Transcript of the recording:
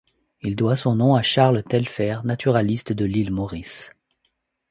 Il doit son nom à Charles Telfair, naturaliste de l'île Maurice.